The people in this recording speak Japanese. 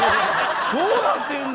どうなってるんだ。